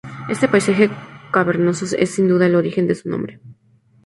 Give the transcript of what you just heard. Este paisaje cavernoso es sin duda el origen de su nombre.